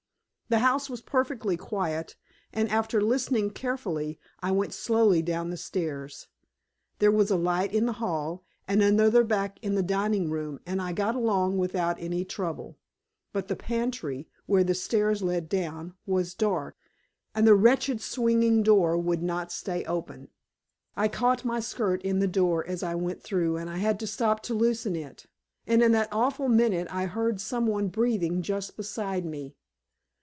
The house was perfectly quiet, and, after listening carefully, I went slowly down the stairs. There was a light in the hall, and another back in the dining room, and I got along without any trouble. But the pantry, where the stairs led down, was dark, and the wretched swinging door would not stay open. I caught my skirt in the door as I went through, and I had to stop to loosen it. And in that awful minute I heard some one breathing just beside me.